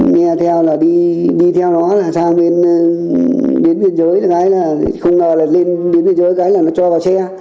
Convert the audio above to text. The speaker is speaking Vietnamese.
nghe theo là đi đi theo nó là sang bên biên giới không lo là lên biên giới cái là nó cho vào che